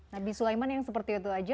nabi sulaiman yang seperti itu aja